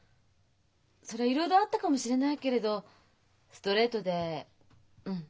そりゃいろいろあったかもしれないけれどストレートでうん。